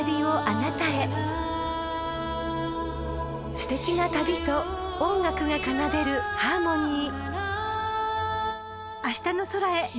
［すてきな旅と音楽が奏でるハーモニー］